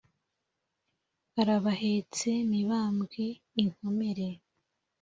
Arabahetse Mibambwe inkomere